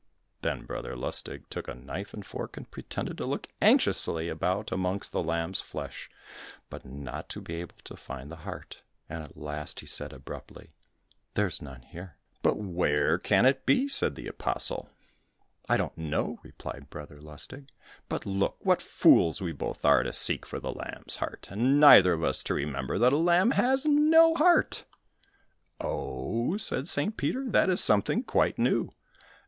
Then Brother Lustig took a knife and fork, and pretended to look anxiously about amongst the lamb's flesh, but not to be able to find the heart, and at last he said abruptly, "There is none here." "But where can it be?" said the apostle. "I don't know," replied Brother Lustig, "but look, what fools we both are, to seek for the lamb's heart, and neither of us to remember that a lamb has no heart!" "Oh," said St. Peter, "that is something quite new!